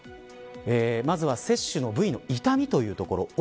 まずは接種の部位の痛みというところ。